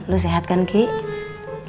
lo sehat kan kiki